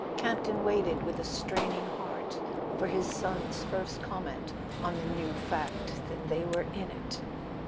Camp ton waited with a straining heart for his son's first comment on the new fact that they were "in it."